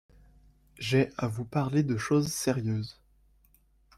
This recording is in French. J’ai à vous parler de choses sérieuses.